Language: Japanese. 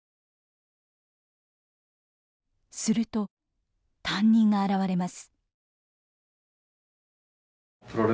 すると担任が現れます。